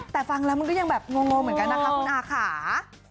แต่ฟังแล้วมันก็ยังแบบงงเหมือนกันนะคะคุณอาค่ะ